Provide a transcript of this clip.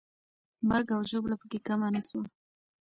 مرګ او ژوبله پکې کمه نه سوه.